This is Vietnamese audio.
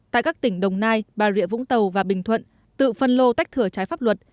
tại các tỉnh đồng nai bà rịa vũng tàu và bình thuận tự phân lô tách thửa trái pháp luật